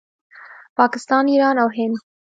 پاکستان، ایران او هند